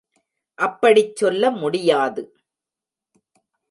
அப்படிச் சொல்ல முடியாது.